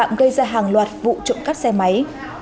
công an huyện yên định đã gây ra hàng loạt vụ trộm cắp xe máy